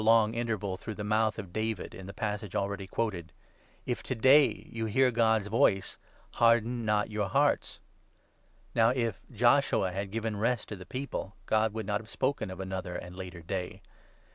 435 long interval through the mouth of David, in the passage already quoted —' If to day you hear God's voice Harden not your hearts.' Now if Joshua had given ' Rest ' to the people, God would 8 not have spoken of another and later day.